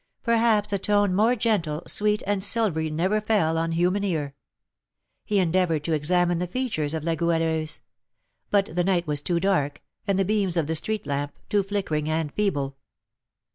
Perhaps a tone more gentle, sweet, and silvery never fell on human ear. He endeavoured to examine the features of La Goualeuse; but the night was too dark, and the beams of the street lamp too flickering and feeble.